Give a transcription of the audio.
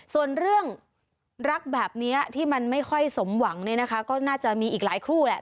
ส่วนเรื่องรักแบบนี้ที่มันไม่ค่อยสมหวังเนี่ยนะคะก็น่าจะมีอีกหลายคู่แหละ